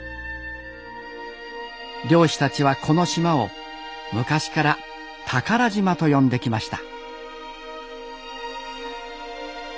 漁師たちはこの島を昔から「宝島」と呼んできました。